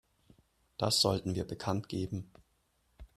Das sollten wir bekanntgeben.